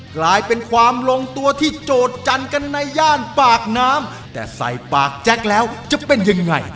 กลายเป็นความลงตัวที่โจทยันกันในย่านปากน้ำแต่ใส่ปากแจ็คแล้วจะเป็นยังไง